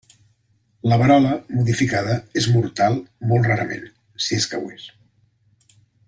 La verola modificada és mortal molt rarament, si és que ho és.